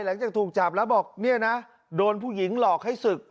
หลังจากถูกจับแล้วบอกเนี่ยนะโดนผู้หญิงหลอกให้ศึก